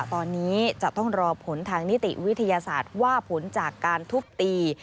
ตอนนี้จะต้องรอผลทางนิติวิทยาศาสตร์ว่าผลจากการทุบตี